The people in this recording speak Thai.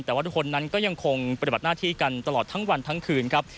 แต่ว่าทุกคนนั้นก็ยังคงปฏิบัติหน้าที่กันตลอดทั้งวันทั้งคืนครับ